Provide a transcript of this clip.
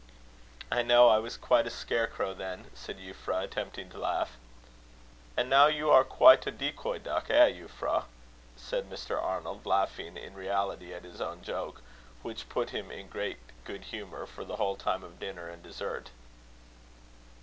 "I know I was quite a scare crow then," said Euphra, attempting to laugh. "And now you are quite a decoy duck, eh, Euphra?" said Mr. Arnold, laughing in reality at his own joke, which put him in great good humour for the whole time of dinner and dessert.